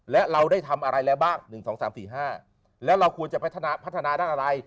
และเราได้ทำอะไรแล้วบ้าง๑๒๓๔๕แล้วเราควรจะพัฒนาพัฒนาด้านอะไร